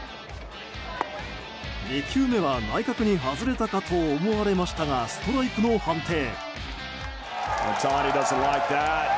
２球目は内角に外れたかと思われましたがストライクの判定。